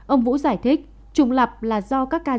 ông vũ giải thích trùng lập là do các ca dưỡng